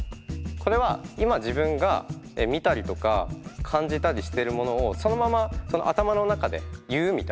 これは今自分が見たりとか感じたりしてるものをそのまま頭の中で言うみたいな。